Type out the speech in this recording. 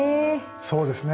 そうですね